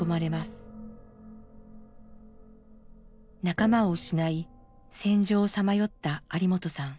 仲間を失い戦場をさまよった有元さん。